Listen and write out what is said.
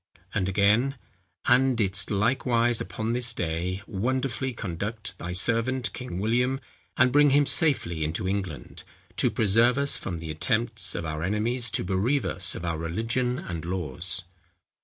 And again, "And didst likewise upon this day, wonderfully conduct thy servant King William, and bring him safely into England, to preserve us from the attempts of our enemies to bereave us of our religion and laws."